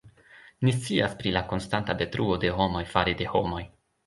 Ni scias pri la konstanta detruo de homoj fare de homoj.